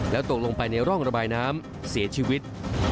แล้วตกลงไปในร่องระบายน้ำเสียชีวิต